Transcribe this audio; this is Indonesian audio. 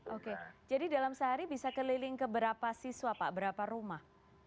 oke jadi dalam sehari bisa keliling ke berapa siswa pak berapa rumah